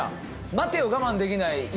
「待てを我慢できない犬」。